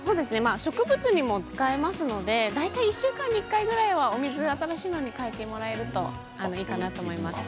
植物にも使えますので大体１週間に１回ぐらいはお水を新しいものに替えてもらえるといいかなと思います。